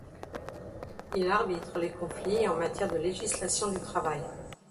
Il arbitre les conflits en matière de législation du travail.